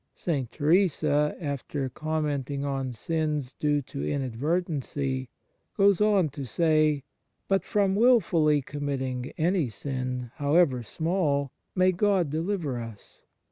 St. Teresa, after com menting on sins due to inadvertency, goes on to say: " But from wilfully committing any sin, however small, may God deliver us